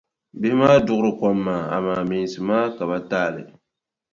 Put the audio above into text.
Bihi maa duɣiri kom maa amaa meensi maa ka ba taali.